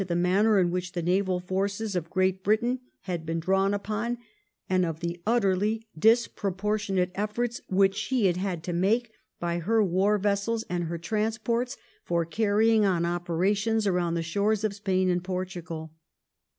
99 the manner in which the naval forces of Great Britain had been drawn upon, and of the utterly disproportionate efiorts which she had had to make, by her war vessels and her transports, for carrying on operations around the shores of Spain and Portu gal.